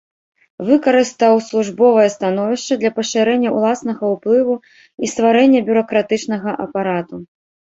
Выкарыстаў службовае становішча для пашырэння ўласнага ўплыву і стварэння бюракратычнага апарату.